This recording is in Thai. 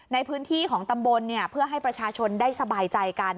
ในพื้นที่ของตำบลเพื่อให้ประชาชนได้สบายใจกัน